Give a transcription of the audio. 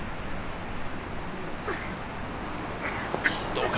どうか？